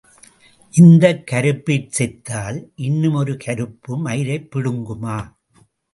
இந்தக் கருப்பிற் செத்தால் இன்னும் ஒரு கருப்பு மயிரைக் பிடுங்குமா?